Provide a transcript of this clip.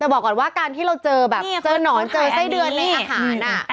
แต่บอกก่อนว่าการที่เราเจอแบบเจอหนอนเจอไส้เดือนในอาหาร